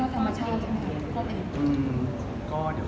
ก็เจอข้อแล้ว